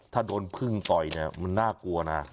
ถ้าโดนพึ่งต่อยเนี่ยมันน่ากลัวนะ